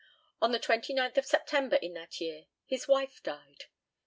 On the 29th of September in that year his wife died.